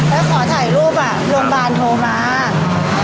แล้วขอถ่ายรูปโรงพยาบาลโทรมา